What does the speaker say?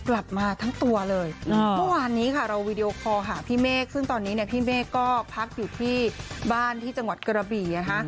ระวังวิดีโอคอล์หาพี่เมฆซึ่งตอนนี้พี่เมฆก็พักอยู่ที่บ้านที่จังหวัดกระบี่